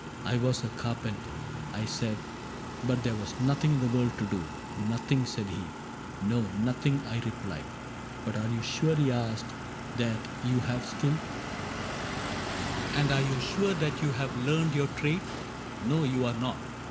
— 'I was a carpenter,' I said, * But there was nothing in the world to do.* * Nothing ?' said he. — 'No, nothing,* I replied. —^ But are you sure,* he asked, ' that you have skill ? CAPTAIN CRAIG 45 And are you sure that you have learned your trade i No, you are not.'